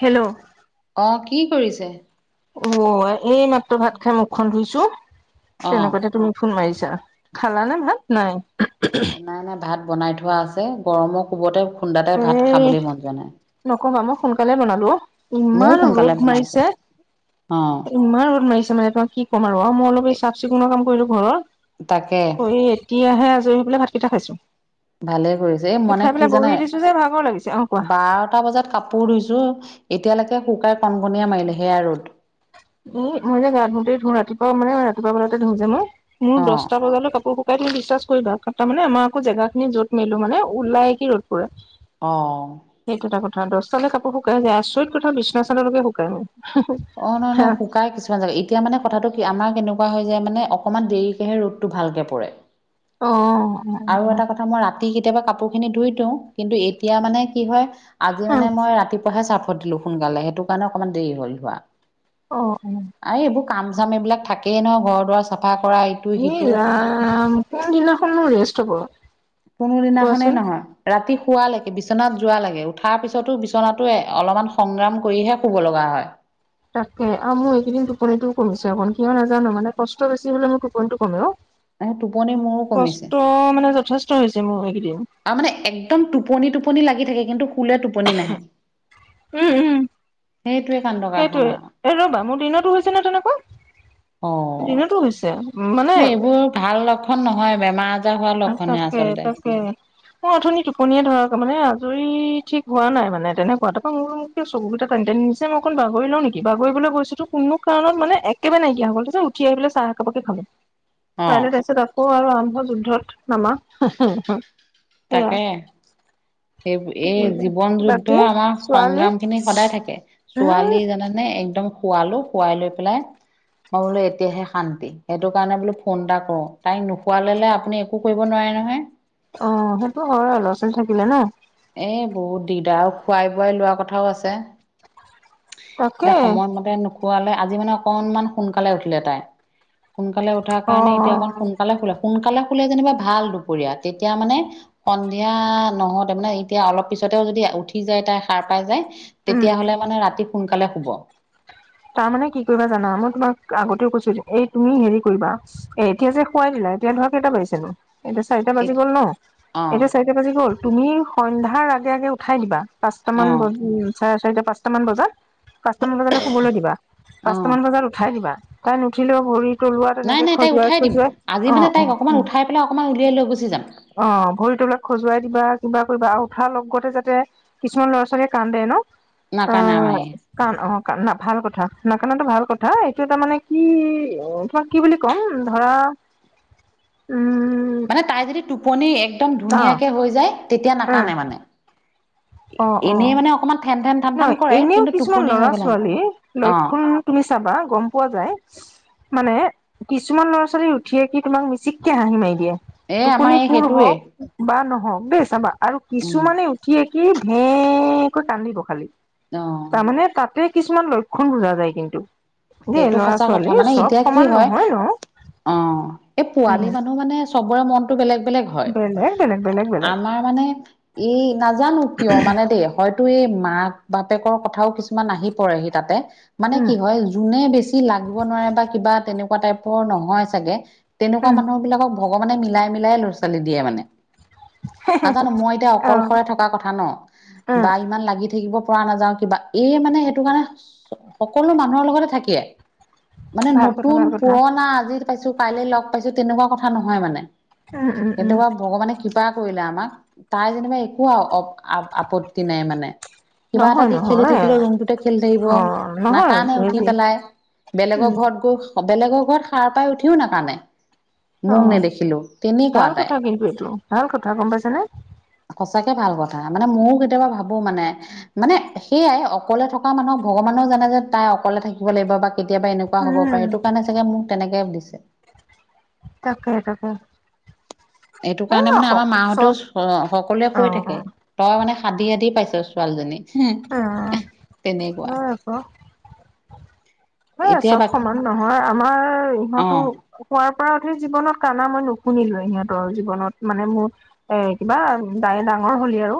Hello. অঁ, কি কৰিছে। অঁ, এই মাত্ৰ ভাত খাই মুখ খন ধুইছোঁ, অ তেনেকুৱাতে তুমি ফোন মাৰিছা, খালা নে ভাত নাই? নাই নাই ভাত বনাই থোৱা আছে, গৰমৰ কুব'তে, খুন্দাতে ভাত এই খাবলৈ ম'ন যোৱা নাই। নকবা মই সোনকালে বনালো অহ, ময়ো ইমান সোনকালে ৰ'দ বনাইছো মাৰিছে। অ ইমান ৰ'দ মাৰিছে মানে তোমাক কি ক'ম আৰু অঁ মই অলপ এই চাফ চিকুণৰ কাম কৰিলো ঘৰৰ। তাকে। হেৰি এতিয়াহে আজৰি হৈ পেলাই ভাতকেইটা খাইছো। ভালে কৰিছে এই মনে খাই পেলাই কি বহি জানে। দিছো যে ভাগৰ লাগিছে অঁ, কোৱা। বাৰটা বজাত কাপোৰ ধুইছো এতিয়ালৈকে শুকাই কণ কণীয়ে মাৰিলে সেয়া ৰ'দ। এ মই যে গা ধোতেই ধু, ৰাতিপুৱা মানে ৰাতিপুৱা বজাতে ধু যে মই, মোৰ অ দশটা বজালে কাপোৰ শু কাই, তুমি বিশ্বাস কৰিবা তাৰ মানে আমাৰ একো জেগা খিনি য'ত মেলো মানে ওলাই কি ৰ'দ পৰে। অঁ। সেইটো এটা কথা দশটালে কাপোৰ শুকাই যায়, আচৰিত কথা বিছনাচাদৰ লৈকে শুকাই মোৰ। অঁ, নয় নয় শুকাই কিছু মান এতিয়া মানে কথাটো কি আমাৰ কেনেকুৱা হয় যে মানে অকণমান দেৰিকৈহে ৰ'দটো ভালকৈ পৰে। অঁ। আৰু এটা কথা মই ৰাতি কেতিয়াবা কাপোৰ খিনি ধুই দিওঁ, কিন্তু এতিয়া মানে কি হয় আজি অ' মানে মই ৰাতিপুৱাহে চাৰফত দিলো, সোনকালে সেইটো কাৰণে অকণমান দেৰি হ'ল ধোৱা। অঁ উম। আৰু এইবোৰ কাম চাম এইবিলাক থাকেই নহয় ঘৰ দুৱাৰ চাফা কৰা ইটো ই সিটো ৰাম, কোন দিনাখন নো ৰেষ্ট হব। কোনো দিনাখনেই কোৱাচোন। নহয়। ৰাতি শোৱাৰলৈকে বিচনাত যোৱালৈকে উঠাৰ পিছতো বিচনাটোৱে অলপমান সংগ্ৰাম কৰিহে শুব লগা হয়। তাকে আৰু মোৰ এইকেইদিন টোপনিটোও কমিছে অকন কিয় নাজানো মানে কষ্ট বেছি হলে মোৰ টোপনিটো কমে অ। এ টোপনি মোৰো কমিছে কষ্ট মানে যথেষ্ট হৈছে মোৰ এইকেইদিন। আৰু মানে একদম টোপনি টোপনি লাগি থাকে, কিন্তু শুলে টোপনি নাহে, উম উম। সেইটোৱে কাণ্ড। কাৰখানা সেইটোৱে, ৰ'বা মোৰ দিনতো হৈছে নহয় তেনেকুৱা, অ দিনতো হৈছে। মানে এইবোৰ ভাল লক্ষণ নহয়, বেমাৰ আজাৰ হোৱাৰ লক্ষণহে আচলতে। কে। মই অথনি টোপনিয়ে ধৰা মানে আজৰি ঠিক হোৱা নাই মানে তেনেকুৱা তাৰপৰা মোৰো চকুকেইটা টানি টানি নিচে, মই অকণ বাগৰি লওঁ নেকি বাগৰিবলৈ গৈছোতো কোনো কাৰণত মানে এ কেবাৰে নাইকিয়া হৈ গ'ল, তাৰ পিছত উঠি আহি পেলাই চাহ একাপাকে খালোঁ। অ খাইলৈ তাৰ পিছত আকৌ আৰু আৰম্ভ যুদ্ধত নামা। সেয়া তাকে। সেই কি এই কৰিবা জীৱন বাকী যুদ্ধৰ আমাৰ ছোৱালী সংগ্ৰাম খিনি সদায় থাকে। উম ছোৱালী জানোনে একদম শুৱালো, শুৱাই লৈ পেলাই মই বোলো এতিয়াহে শান্তি, সেইটো কাৰণে বোলো ফোন এটা কৰো, তাইক নোশুৱাই ললে আপুনি- একো কৰিব নোৱাৰে নহয়। অঁ, সেইটো হয় ল'ৰা- ছোৱালী থাকিলে ন। এ বহুত দিগদাৰ আৰু খোৱাই বোৱাই লোৱা কথাও আছে। তাকে এতিয়া সময়মতে নোখোৱালে, আজি মানে অকনমান সোনকালে উঠিলে তাই। সোনকালে উঠাৰ অ কাৰণে এতিয়া অকণ সোনকালে শুলে। সোনকালে শুলে যেনিবা ভাল দুপৰীয়া তেতিয়া মানে- সন্ধিয়া নহওঁতে মানে এতিয়া অলপ পিছতেও যদি উঠি যায় তাই সাৰ পাই যায়, - উম তেতিয়া হ'লে মানে ৰাতি সোনকালে শুব। তাৰ মানে কি কৰিবা জানা? মই তোমাক আগতেও কৈছো এই তুমি হেৰি কৰিবা, - এ এতিয়া যে শুৱাই দিলা, এতিয়া ধৰা কেইটা বাজিছে নো? এতিয়া চাৰিটা বাজি গ'ল ন, অঁ এতিয়া চাৰিটা বাজি গল, তুমি সন্ধ্যাৰ আগে আগে উঠাই দিবা। পাঁচটামান অঁ ব চাৰে চাৰিটা পাঁচটামান বজাত, পাঁচটামান বজালে- শুবলৈ দিবা, অঁ পাঁচটামান বজাত উঠাই দিবা। তাই নুঠিলেও ভৰিত- তলোৱাত নাই এনেকে নাই তাইক খজুৱাই উঠাই দিম খজুৱাই, আজি মানে অঁ, অঁ, তাইক অকণমান অঁ। উঠাই পেলাই অকণমান উলিয়াই লৈ গুচি যাম অঁ, ভৰি তলুৱা খজুৱাই দিবা, কিবা কৰিবা আৰু উঠাৰ লগতে যাতে- কিছুমান ল'ৰা ছোৱালীয়ে কান্দে ন। নাকান্দে আমাৰ এই। কাৰণ অঁ- কান ভাল কথা নাকান্দাটো ভাল কথা। এইটো এটা মানে কি তোমাক কি বুলি ক'ম? ধৰা- উম। উম। এ তাইৰ যদি টোপনি একদম অ ধুনীয়াকে হৈ যায়, তেতিয়া উম নাকান্দে মানে। এনেই মানে অকমান- নহ এনেও কিছুমান আৰু ল'ৰা-ছোৱালী অঁ লক্ষণ তুমি চাবা, গম পোৱা যায়- মানে কিছুমান ল'ৰা ছোৱালী উঠিয়ে কি তোমাক মিচিককে হাঁহি মাৰি দিয়ে। এই আমাৰ টোপনি এই পুৰ সেইটোৱেই হওঁক- বা নহওঁক দেই চাবা, আৰু উম কিছুমানে উঠিয়েই কি ভেঁ কৈ কান্দিব খালি। অঁ তাৰমানে তাতে কিছুমান লক্ষণ বুজা যায় কিন্তু। দেই সেইটো ল'ৰা সঁচা কথা। ছোৱালী মানে চব এতিয়া কি সমান হয়? নহয় ন অঁ। এই উম পোৱালি মানুহ মানে- চবৰে মনটো বেলেগ বেলেগ হয়। হয়, বেলেগ বেলেগ বেলেগ বেলেগ আমাৰ মানে এই নাজানো কিয় মানে দেই? হয়- টো এই মাক -বাপেকৰ কথাও কিছুমান আহি পৰেহি তাতে। মানে উম কি হয়? যোনে বেছি লাগিব নোৱাৰে বা কিবা তেনেকুৱা টাইপৰ নহয় চাগে তেনেকুৱা উম মানুহ বিলাকক- ভগৱানে মিলাই, মিলাই ল'ৰা -ছোৱালী দিয়ে মানে। নাজানো, মই এতিয়া অ অকলশৰে থকা কথা ন'। উম বা ইমান লাগি থাকিব পৰা নাযাও কিবা, এই মানে সেইটো কাৰণে সকলো মানুহৰ লগতে- থাকে মানে ভাল কথা নতুন, ভাল কথা পুৰণা আজি- পাইছো, কাইলে লগ পাইছো, তেনেকুৱা কথা নহয় মানে উম উম সেইটো উম বাৰু ভগৱানে- কৃপা কৰিলে আমাক। তাই যেনিবা একো অ- আপত্তি নাই মানে। কিবা এটা নহয় দি খেলি নহয় থাকিলেও ৰুমটোতে খেলি থাকিব, অ নহয় নাকান্দেও। উঠি হেৰি পেলাই, বেলেগৰ উম ঘৰত গৈ, বেলেগৰ ঘৰত সাৰ পাই উঠিও নাকান্দে। মোক নেদেখিলো, তেনেকুৱা তাই। সেইটোৱে। ভাল কথা, গম পাইছানে? সঁচাকে ভাল কথা মানে মইয়ো কেতিয়াবা ভাবোঁ মানে। মানে সেয়াই, অকলে থকা মানুহক ভগৱানেও জানে যে তাই অকলে থাকিব লাগিব বা কেতিয়াবা এনেকুৱা কুৱা হ'ব পাৰে উম এইটো কাৰণে চাগে মোক তেনেকে দিছে। তাকে তাকে! এইটো সেই কাৰণে মানে আমাৰ চব মাহঁতেও সকলোৱে অ কৈ থাকে। তই মানে সাদি-সাদি পাইছ ছোৱালীজনী অ অ [unintelligible] তেনেকুৱা। হয় সেইয়া এতিয়া চব বাকী সমান নহয়, আমাৰ অ ইহঁতো শুৱাৰ পৰা উঠি জীৱনত কান্দা মই নুশুনিলোৱে। সিহঁতৰ জীৱনত মানে মোৰ এ কিবা তাই ডাঙৰ হ'লে আৰু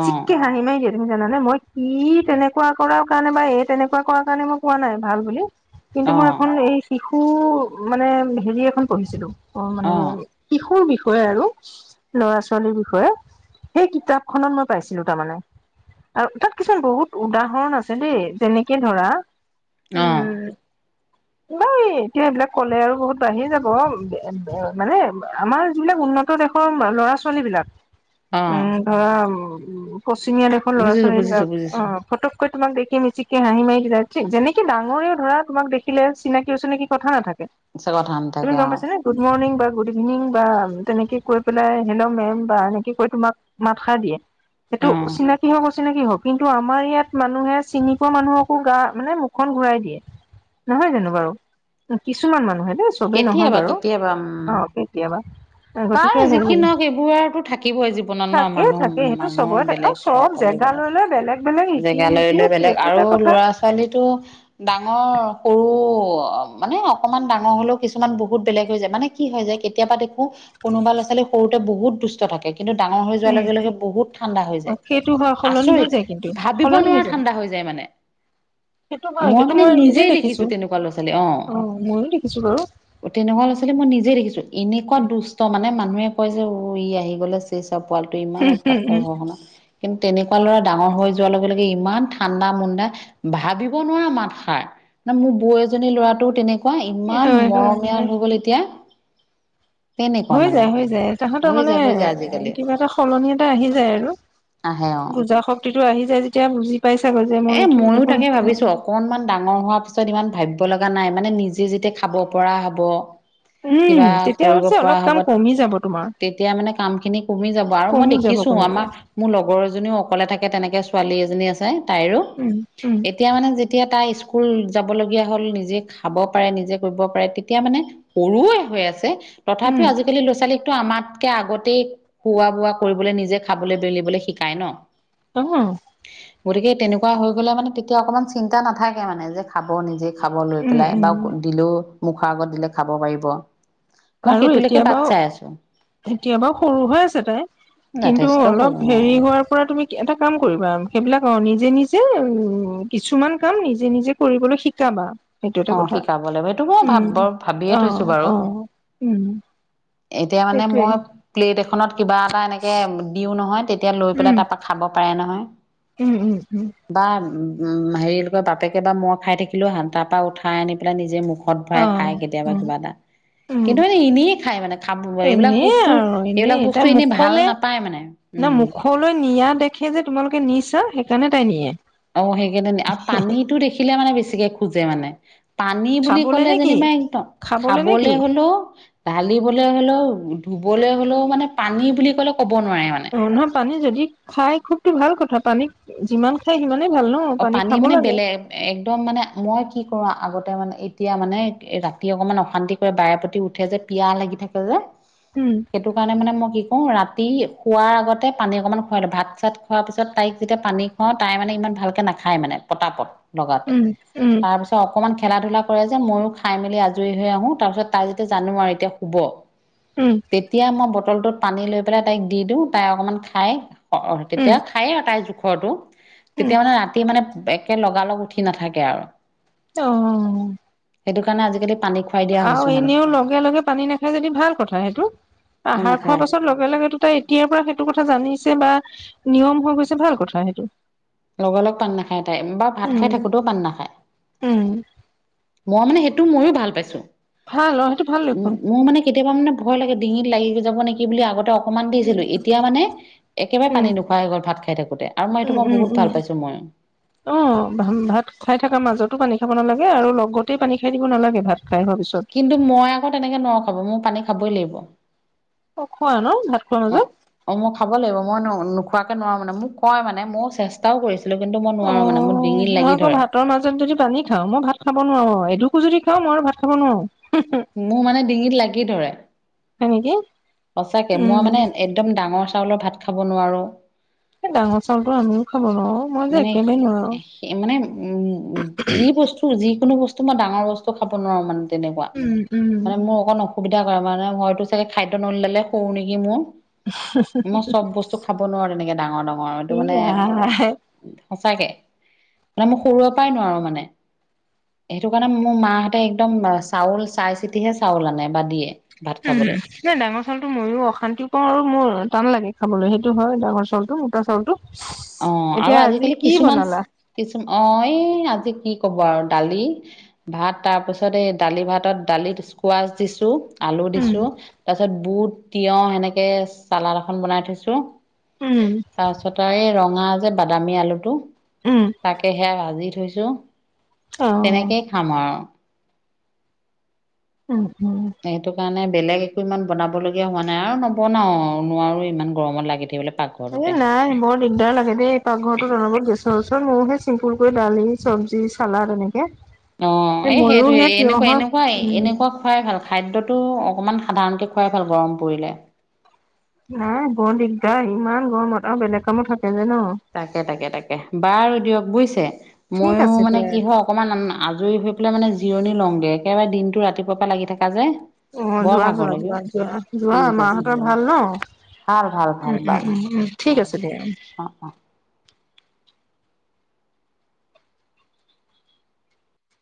অ হাঁহি মাৰি দিয়ে। তুমি জানানে? মই কি তেনেকুৱা কৰাৰ কাৰণে বা এই তেনেকুৱা কৰাৰ কাৰণে মই কোৱা নাই ভাল বুলি। কিন্তু অ মই এখন এই শিশু মানে, হেৰি এখন পঢ়িছিলো। অ' মানে শিশু বিষয়ে আৰু। ল'ৰা-ছোৱালী বিষয়ে, সেই কিতাপখনত মই পাইছিলো তাৰ মানে। আৰু তাত কিছুমান বহুত উদাহৰণ আছে দেই! যেনেকে ধৰা অঁ। উম নাই এতিয়া সেইবিলাক ক'লে আৰু বহুত বাঢ়ি যাব। মানে আমাৰ যিবিলাক উন্নত দেশৰ ল'ৰা-ছোৱালী বিলাক [inaudible] উম ধৰা উম পশ্চিমীয়া দেশৰ বুজিছো ল'ৰা-ছোৱালী বুজিছো বিলাক, বুজিছো অ' ফটো কৈ তোমাক দেখি মিছিককে হাঁহি মাৰি যায়। [unintelligible] কি ডাঙৰেও ধৰা তোমাক দেখিলে চিনাকি-অচিনাকি কথা নাথাকে। সঁচা কথা তুমি নাথাকে গম অ'। পাইছা নে গুড মৰ্ণিং বা গুড ইভিনিং বা তেনেকে কৈ পেলাই হেল্ল'! মে'ম বা এনেকে কৈ তোমাক মাতষাৰ দিয়ে। এইটো অ চিনাকি হওঁক, অচিনাকি হওঁক, কিন্তু আমাৰ ইয়াত মানুহে চিনি পোৱা মানুহকো গা মানে মুখ খন ঘুৰাই দিয়ে, নহয় জানো বাৰু? কিছুমান মানুহে দেই। চবেই নহয় কেতিয়াবা বাৰু, কেতিয়াবা উম অ' কেতিয়াবা। বাৰু গতিকে হেৰি, যিখিনি নহওক এইবোৰ আৰুতো থাকিবই জীৱনত ন থাকে মানুহ থাকে, সেইটো মানুহৰ চবৰে থাকে। বেলেগ আৰু চক চব হলেও জেগা বেলেগ লৈ লৈ বেলেগ বেলেগ ৰীতি জেগা লৈ নীতি লৈ বেলেগ সেইটো আৰু এটা কথা ল'ৰা-ছোৱালীটো ডাঙৰ-সৰু অ' মানে অকমান ডাঙৰ হলেও কিছুমান বহুত বেলেগ হৈ যায় মানে। কি হয় যে কেতিয়াবা দেখো কোনোবা ল'ৰা-ছোৱালী সৰুতে বহুত দুষ্ট থাকে। কিন্তু ডাঙৰ হৈ যোৱাৰ উম লগে-লগে বহুত ঠাণ্ডা হৈ যায়, সেইটো হয় সলনি হৈ যায় আচৰিত কিন্তু ভাবিব সলনি হৈ নোৱাৰা ঠাণ্ডা। হয় যায় মানে। সেইটো হয় মই সেইটো মানে নিজে নিজেই দেখিছো তেনেকুৱা ল'ৰা-ছোৱালী আহ'। অ ময়ো দেখিছো বাৰু অ' তেনেকুৱা ল'ৰা-ছোৱালী মই নিজে দেখিছো, এনেকুৱা দুষ্ট মানে মানুহে কয় যে উ ই আহি গ'ল। পোৱালটো ইমান উৎপাত কৰে ঘৰখনত, কিন্তু তেনেকুৱা ল'ৰা ডাঙৰ হৈ যোৱাৰ লগে-লগে ইমান ঠাণ্ডা-মুণ্ডা ভাবিব নোৱাৰা মাতষাৰ। মানে মোৰ বৌ এজনী ল'ৰাটো তেনেকুৱা ইমান হয় হয় মৰমীয়াল হয় হৈ গ'ল এতিয়া। তেনেকুৱা হৈ মানে যায়, হৈ যায় তাহাঁতৰ হৈ মানে যায় হৈ যায় আজিকালি কিবা এটা সলনি এটা আহি যায় আৰু। আহে অ'। [unintelligible] আহি যায় যেতিয়া বুজি পাই চাগৈ যে মই এ এইটো ময়ো দেখোন তাকে ভাবিছো অকনমান ডাঙৰ হোৱা পিছত ইমান ভাবিব লগা নাই মানে নিজে যেতিয়া খাব পৰা হ'ব। উম কিবা তেতিয়া কৰিব অৱশ্যে পৰা অলপ হ'ব, কাম কমি যাব তোমাৰ তেতিয়া মানে কাম খিনি কমি যাব। বাৰু মই কমি যাব দেখিছো কমি যাব আমাৰ মোৰ লগৰ এজনীও অকলে থাকে, তেনেকে ছোৱালী এজনী তাইৰো। উম উম এতিয়া মানে যেতিয়া তাই স্কুল যাবলগীয়া হ'ল নিজে খাব পাৰে, নিজে কৰিব পাৰে, তেতিয়া মানে সৰুৱে হৈ আছে, উম তথাপিও আজিকালি ল'ৰা-ছোৱালী টো আমাতকে আগতেই খুৱ-বোৱা কৰিবলৈ নিজে খাবলৈ বেলিবলৈ শিকাই ন। [inaudible] গতিকে তেনেকুৱা হৈ গ'লে মানে তেতিয়া অকণমান চিন্তা নাথাকে মানে যে খাব নিজে খাব লৈ উম পেলাই উম বা দিলেও মুখৰ আগত দিলে খাব পাৰিব। মই সেইটোলৈকে বাট চাই আছো। এতিয়াবাৰ সৰু হৈ আছে তাই কিন্তু যথেষ্ট অলপ সৰু হেৰি অ হৈ সেয়াই পৰা তুমি এটা কাম কৰিবা সেইবিলাক নিজেই নিজেই কিছুমান নিজেই নিজেই কৰিবলৈ শিক শিকাবা। সেইটো এটা অ কথা শিকাব লাগিব এইটো মই উম ভাব বৰ ভাবিয়ে অ বাৰু। অ উম এতিয়া মানে সেইটোৱে মই প্লেট এখনত কিবা এটা এনেকে দিও নহয় তেতিয়া লৈ পেলাই উম তা খাব পাৰে নহয়। উম উম উম। বা উম হেৰি কয় বাপেকে বা মই খাই থাকিলো তাৰ পৰা উঠাই আনি পেলাই নিজে মুখ ত অ ভৰাই খাই কেতিয়াবা উম কিবা এটা। উম কিন্তু এনে এনেই খায় মানে খাব এইবিলাক এনেই বস্তু আৰু এইবিলাক এনেই বস্তু তাই এনেই ভাল মুখলে নাপায় মানে। না উম। মুখলৈ নিয়া দেখে যে তোমালোকে নিছা সেইকাৰণে তাই নিয়ে। অ সেইকাৰণে নি আৰু পানীটো দেখিলে মানে বেছিকে খোজে মানে। পানী বুলি খাবলে ক'লে নে কি? যেনিবা একদম নে কি? খাবলে হ'লেও ঢালিবলৈ হ'লেও ধুবলৈ হ'লেও, মানে পানী বুলি ক'ব নোৱাৰে মানে। [unintelligible] পানী যদি খাই খুবতো ভাল কথা, পানী যিমান খাই সিমানে ভাল ন। অ পানী খাব লাগে। একদম মানে মই কি কৰোঁ আগতে মানে এতিয়া মানে ৰাতি অকণমান অশান্তি কৰে বাৰে প্ৰতি উঠে যে পিয়া লাগি থাকে যে। উম। সেইটো কাৰণে মানে মই কি কৰঁ ৰাতি শোৱাৰ আগতে পানী অকণমান খুৱাই দিওঁ ভাত-চাত খোৱাৰ পিছত তাইক যেতিয়া পানী তাই ইমান ভালকে নাখায় মানে পতাপত লগাতে, উম উম তাৰ পিছত অকনমান খেলা ধূলা কৰে যে মইো খাই মেলি আজৰি হৈ আহো তাৰ পিছত তাই যেতিয়া জানো আৰু এতিয়া শুব [inaudible] অকনমান খেলা-ধূলা কৰে যে মইয়ো খাই মেলি আজৰি হৈ আহো তাৰ পিছত তাই যেতিয়া জানো আৰু এতিয়া শুব অ। উম। তেতিয়া মই বটলটোত পানী লৈ পেলাই তাইক দি দিওঁ তাই অকমান খাই অ অ উম তেতিয়া খায়েই আৰু তাইৰ জোখটো উম তেতিয়া মানে ৰাতি মানে একে লগালগ উঠি নাথাকে আৰু। অ। সেইটো কাৰণে আজিকালি পানী খুৱাই দিয়া আৰু হৈছো মানে এনেও লগে লগে পানী নাখায় যদি ভাল কথা সেইটো, অ আহাৰ খোৱা নাখায় পাছত লগ লগলগেটো তাই এতিয়াৰ পৰা কথা জানিছে বা নিয়ম হৈ গৈছে ভাল কথা সেইটো। লগা লগ পানী নাখায় তাই বা ভাত খাই উম থাকোঁতেও পানী নাখায়। উম। মই মানে সেইটো ময়ো ভাল পাইছো ভাল অ সেইটো ভাল উ লক্ষণ মোৰ মানে কেতিয়াবা মানে ভয় লাগে ডিঙিত লাগি যাব নেকি বুলি আগতে অকমান দিছিলো, এতিয়া মানে একেবাৰে উম পানী নোখোৱা হৈ গ'ল ভাত খাই থাকোতে। আৰু মই এইটো উম মই উম বহুত উম ভাল পাইছো মইয়ো। অ' ভাত খাই থকা মাজতো পানী খাব নালাগে, আৰু লগতেই পানী খাই দিব নালাগে ভাত। খাই হোৱা পিছত। কিন্তু, মই আকৌ তেনেকে নোৱাৰো খাব, মই পানী খাবই লাগিব। অ' খোৱা ন' ভাত খোৱাৰ অ। মাজত। অ' মই খাব লাগিব, মই নোখোৱাকে নোৱাৰোঁ মানে মোক কয় মানে মই চেষ্টাও কৰিছিলোঁ। হ'লেও কিন্তু মই অ নোৱাৰোঁ মানে মোৰ ডিঙিত মই লাগি আকৌ ধৰে। ভাতৰ মাজত যদি পানী খাওঁ মই ভাত খাব নোৱাৰোঁ, এডোখো যদি খাওঁ মই আৰু ভাত খাব নোৱাৰোঁ। হি হি মোৰ মানে ডিঙিত লাগি ধৰে। হয় নেকি? সঁচাকে মই উম মানে একদম ডাঙৰ চাউলৰ ভাত খাব নোৱাৰোঁ। এই ডাঙৰ চাউলটো আমিও খাব নোৱাৰোও। মানে মানে উম, যি বস্তু যিকোনো বস্তু মই ডাঙৰ বস্তু খাব নোৱাৰোঁ মানে। তেনেকোৱা উম উম মানে মোৰ অকন সুবিধা কৰা কাৰনে হয়তো চাগে খাদ্য নলীডালে সৰু নেকি মোৰ, মই চব বস্তু খাব নোৱাৰোঁ তেনেকে ডাঙৰ ডাঙৰ, এইটো মানে [unintelligible] হয় সচাকে নাই মই সৰুৰে পৰাই নোৱাৰোঁ মানে। সেইটো কাৰণে মোৰ মাহঁতে একদম চাউল চাই চিতিহে চাউল আনে বা দিয়ে। ভাত উম' খাবলে। নাই ডাঙৰ চাউলটো মইয়ো অশান্তি পাওঁ আৰু মোৰ টান লাগে খাবলৈ, সেইটো হয় ডাঙৰ চাউলটো, মোটা চাউলটো। অ আৰু এতিয়া আজি আজিকালি কি কিছুমান বনালা? কিছু অ' এই আজি কি ক'ব আৰু দালি ভাত, তাৰ পিছত এই দালি ভাতত দালিত স্কোৱাচ দিছোঁ। আলু উম দিছোঁ, তাৰপিছত বুট তিঁয়হ সেনেকে চালাড এখন বনাই থৈছোঁ। উম' তাৰপিছত আ এই ৰঙা যে বাদামী আলুটো। উম' তাকে সেইয়া ভাজি থৈছোঁ, অ তেনেকেই খাম আৰু। উম' উম' সেইটো কাৰণে বেলেগ একো ইমান বনাবলগীয়া হোৱা নাই আৰু নবনাওঁ নোৱাৰোঁ ইমান গৰমত লাগি থাকিবলৈ পাকঘৰত। এ নাই বৰ দিগদাৰ লাগে দেই এই পাকঘৰটোত অনবৰত গেছৰ ওচৰত মোৰো হে চিম্পুলকৈ দালি, চব্জি, চালাদ এনেকে। অ, এ এই ময়ো সেইটোৱে, সেই এনেকুৱা তিয়হৰ এনেকুৱাই উম এনেকুৱা খোৱাই ভাল, খাদ্যটো অকণমান সাধাৰণকৈ খোৱাই ভাল গৰম পৰিলে। নাই বৰ দিগদাৰ ইমান গৰমত আৰু বেলেগ কামো থাকে যে ন। তাকে, তাকে, তাকে বাৰু দিয়ক বুজিছে ঠিক মইয়ো আছে মানে দিয়া কি হক অকমান মান আজৰি হৈ পেলাই মানে জিৰণি লওঁগে, একেবাৰে দিনটো ৰাতিপুৱাৰ পৰা লাগি থাকা যে। অ, বৰ ভাগৰ যোৱা-যোৱা লাগে অ। যোৱা-যোৱা যোৱা ঠিক আছে মাহঁতৰ হ'ব ভাল ন? ভাল ভাল উম-উম-উম-উম ঠিক আছে দিয়া। উম' অ-অ।